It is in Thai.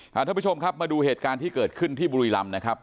ท่านผู้ชมครับมาดูเหตุการณ์ที่เกิดขึ้นที่บุรีรำนะครับ